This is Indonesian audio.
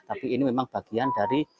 tapi ini memang bagian dari